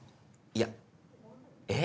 いやえ？